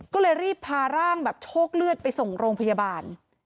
ก็เลยรีบพาร่างแบบโชคเลือดไปส่งโรงพยาบาล